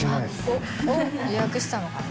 おっ予約したのかな？